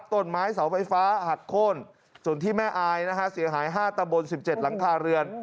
ต้นไม้เสาไฟฟ้าหักโค้นส่วนที่แม่อายนะฮะเสียหาย๕ตะบน๑๗หลังคาเรือน